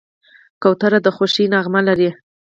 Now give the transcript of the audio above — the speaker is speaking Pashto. کوتره د خوښۍ نغمه لري.